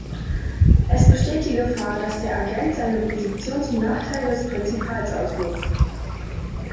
Es besteht die Gefahr, dass der Agent seine Position zum Nachteil des Prinzipals ausnutzt.